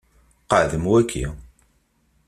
Qeɛdem waki.